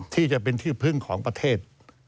ที่จะเป็นที่พึ่งของประเทศ